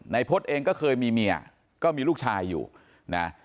พฤษเองก็เคยมีเมียก็มีลูกชายอยู่นะ